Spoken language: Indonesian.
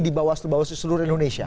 di bawah seluruh indonesia